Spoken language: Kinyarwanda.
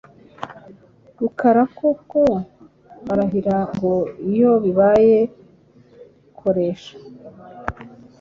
Rukara ko ko arahira gu iyo bibaye koresha.